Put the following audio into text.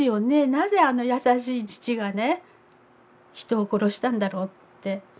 なぜあの優しい父がね人を殺したんだろうって。